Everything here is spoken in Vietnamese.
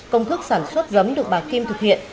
công thức sản xuất giống được bà kim thực hiện